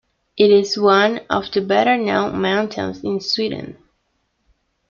It is one of the better-known mountains in Sweden.